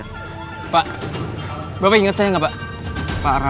imi pun menjadi tugas sayang di indonesia un reddit